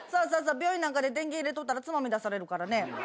病院なんかで電源入れとったらつまみ出されるからね。